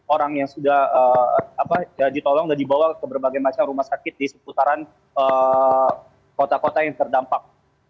orang yang sudah ditolong dan dibawa ke berbagai macam rumah sakit di seputaran kota kota yang terdampak